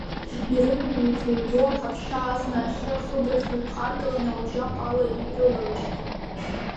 Ирыман еихеигәо, аҳаԥшьа азна ахьы ахыбрахь иҩхаргалан, ауаџьаҟ ала ирыларыжьит.